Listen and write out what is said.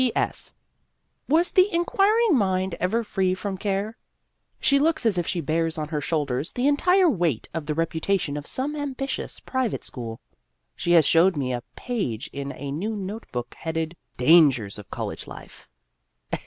P. S. Was the Inquiring Mind ever free from care? She looks as if she bears on her shoulders the entire weight of the reputa Danger ! 243 tion of some ambitious private school. She has showed me a page in a new note book headed, " Dangers of College Life."